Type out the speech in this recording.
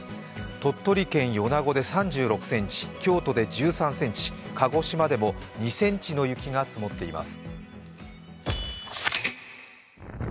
鳥取県米子で３６ｃｍ、京都で１３ｃｍ、鹿児島でも２ｃｍの雪が積もっています。